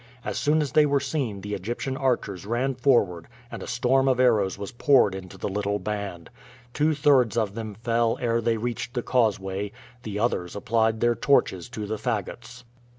As soon as they were seen the Egyptian archers ran forward and a storm of arrows was poured into the little band. Two thirds of them fell ere they reached the causeway; the others applied their torches to the fagots.